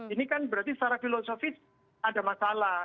ini kan berarti secara filosofis ada masalah